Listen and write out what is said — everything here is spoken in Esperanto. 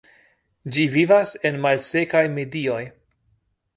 Ĝi vivas en malsekaj medioj.